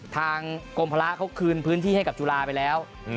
ทางกรมภาระเขาคืนพื้นที่ให้กับจุฬาไปแล้ว